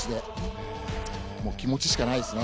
気持ちしかないですね。